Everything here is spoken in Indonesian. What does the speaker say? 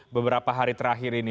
beberapa hari terakhir ini